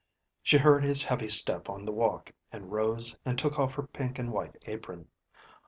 She heard his heavy step on the walk, and rose and took off her pink and white apron.